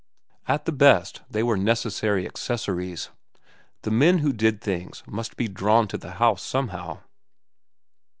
At the best, they were necessary accessories. The men who did things must be drawn to the house somehow.